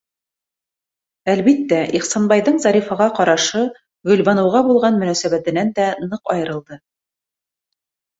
Әлбиттә, Ихсанбайҙың Зарифаға ҡарашы Гөлбаныуға булған мөнәсәбәтенән дә ныҡ айырылды.